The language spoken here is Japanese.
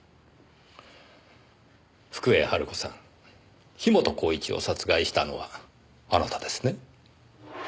福栄晴子さん樋本晃一を殺害したのはあなたですね？